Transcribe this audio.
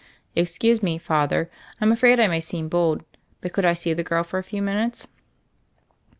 ''Excuse me, Father, Fm afraid I may seem bold; but could I see the girl for a few min* utes?"